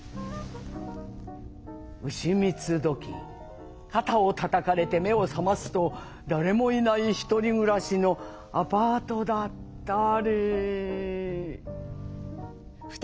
「丑三つ時肩をたたかれて目を覚ますと誰もいない１人暮らしのアパートだったり」。